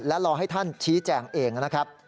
และรอให้ท่านชี้แจงเองนะครับ